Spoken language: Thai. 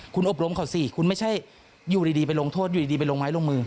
คุณอบรมเขาสิคุณไม่ใช่อยู่ดีไปลงโทษอยู่ดีไปลงไม้ลงมือ